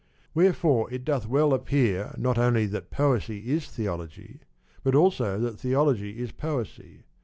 Wherefore it doth well appear not only that Poesy is Theology, but also that Theo logy is Poesy.